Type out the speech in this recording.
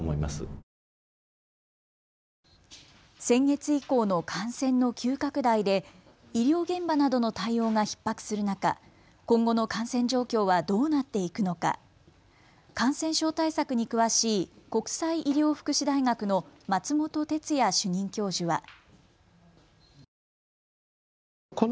先月以降の感染の急拡大で医療現場などの対応がひっ迫する中、今後の感染状況はどうなっていくのか感染症対策に詳しい国際医療福祉大学の松本哲哉主任教授は。